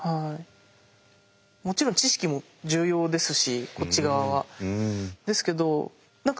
もちろん知識も重要ですしこっち側は。